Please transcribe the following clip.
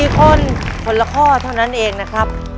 ๔คนคนละข้อเท่านั้นเองนะครับ